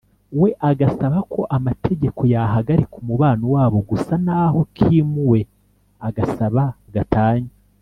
we agasaba ko amategeko yahagarika umubano wabo gusa naho Kim we agasaba gatanya